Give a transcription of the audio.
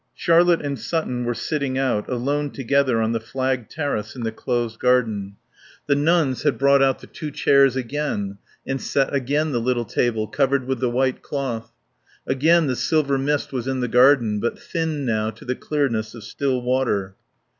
Charlotte and Sutton were sitting out, alone together on the flagged terrace in the closed garden. The nuns had brought out the two chairs again, and set again the little table, covered with the white cloth. Again the silver mist was in the garden, but thinned now to the clearness of still water.